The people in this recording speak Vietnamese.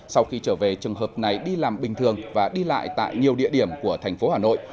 sau khi trở về trường hợp này đi làm bình thường và đi lại tại nhiều địa điểm của thành phố hà nội